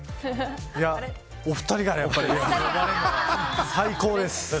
お二人がやっぱり最高です。